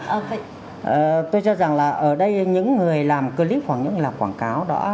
dạ vậy tôi cho rằng là ở đây những người làm clip hoặc những người làm quảng cáo đó